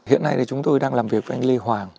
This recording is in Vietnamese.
hiện nay thì chúng tôi đang làm việc với anh lê hoàng